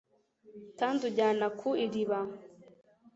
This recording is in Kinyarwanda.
kandi unjyana ku iriba